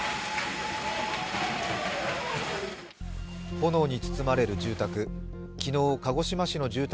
炎に包まれる住宅。